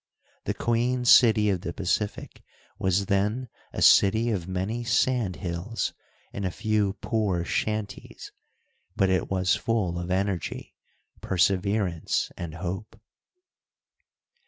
The Queen city of the Pacific was then a city of many sand hills, and a few poor shanties, but it was full of energy, perseverance, and hope.